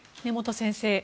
根本先生